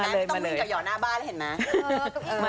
เห็นไหมไม่ต้องมีกับหย่อนหน้าบ้านเห็นไหม